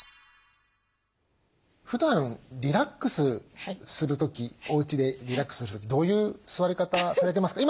ふだんリラックスする時おうちでリラックスする時どういう座り方されてますか？